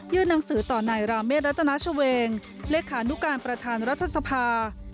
หนังสือต่อนายราเมฆรัตนาชเวงเลขานุการประธานรัฐสภา